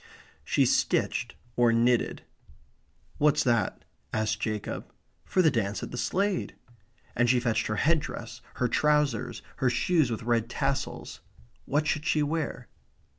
She stitched or knitted. "What's that?" asked Jacob. "For the dance at the Slade." And she fetched her head dress; her trousers; her shoes with red tassels. What should she wear?